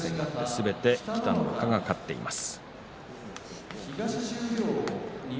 すべて北の若が勝っています。